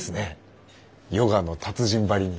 ヨガの達人ばりに。